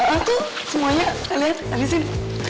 aku semuanya kalian abisin